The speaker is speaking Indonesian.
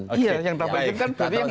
tapi yang tanpa izin